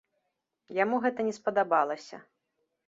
Яму гэта не спадабалася.